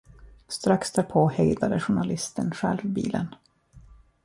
Strax därpå hejdade journalisten själv bilen.